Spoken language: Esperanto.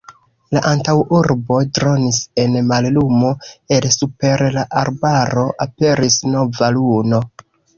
La antaŭurbo dronis en mallumo, el super la arbaro aperis nova luno.